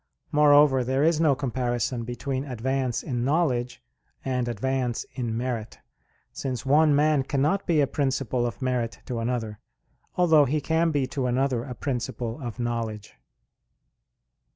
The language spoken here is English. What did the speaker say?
Moreover there is no comparison between advance in knowledge and advance in merit; since one man cannot be a principle of merit to another, although he can be to another a principle of knowledge.